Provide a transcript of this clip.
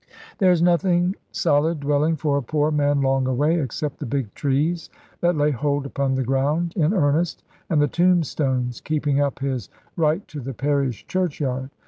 There is nothing solid dwelling for a poor man long away, except the big trees that lay hold upon the ground in earnest, and the tomb stones keeping up his right to the parish churchyard.